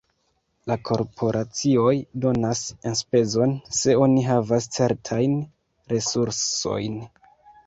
La korporacioj donas enspezon, se oni havas certajn resursojn.